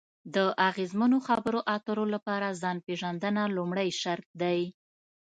د اغیزمنو خبرو اترو لپاره ځان پېژندنه لومړی شرط دی.